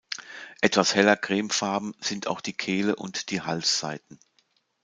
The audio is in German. Etwas heller cremefarben sind auch die Kehle und die Halsseiten.